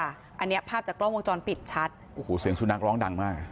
อันนี้ภาพจากกล้องวงจรปิดชัดสุดนักร้องดังมาก